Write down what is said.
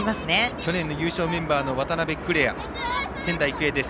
去年の優勝メンバーの渡邉来愛は仙台育英です。